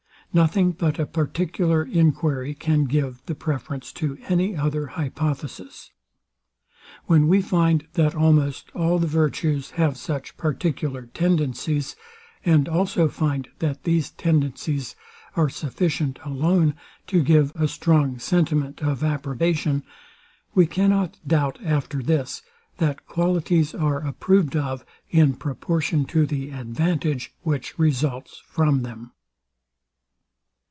Nothing but a particular enquiry can give the preference to any other hypothesis. When we find, that almost all the virtues have such particular tendencies; and also find, that these tendencies are sufficient alone to give a strong sentiment of approbation: We cannot doubt, after this, that qualities are approved of, in proportion to the advantage, which results from them.